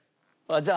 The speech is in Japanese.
じゃあ。